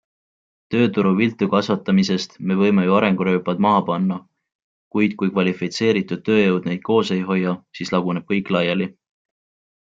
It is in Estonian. Tööturu viltukasvatamisest Me võime ju arengurööpad maha panna, kuid kui kvalifitseeritud tööjõud neid koos ei hoia, siis laguneb kõik laiali.